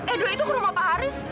edo itu ke rumah pak haris